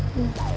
wow ini apaan sih